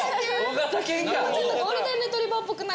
ちょっとゴールデンレトリバーっぽくないですか？